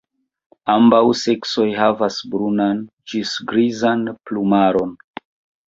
Ambaŭ seksoj havas brunan ĝis grizan plumaron.